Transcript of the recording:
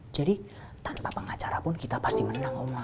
jadi tanpa pengacara pun kita pasti menang oma